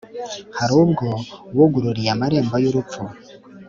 hari ubwo wugururiwe amarembo y’urupfu,